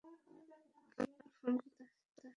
আমার ফোন কোথায়?